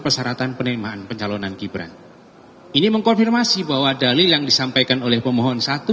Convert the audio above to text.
persyaratan penerimaan pencalonan gibran ini mengkonfirmasi bahwa dalil yang disampaikan oleh pemohon satu